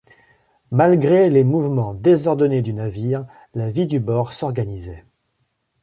Malgré les mouvements désordonnés du navire, la vie du bord s’organisait.